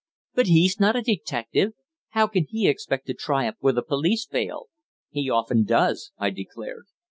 "But he's not a detective. How can he expect to triumph where the police fail?" "He often does," I declared.